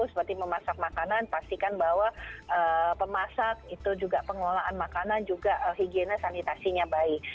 seperti memasak makanan pastikan bahwa pemasak itu juga pengelolaan makanan juga higiene sanitasinya baik